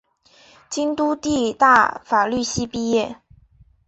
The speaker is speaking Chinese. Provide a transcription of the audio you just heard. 京都帝大法律系毕业。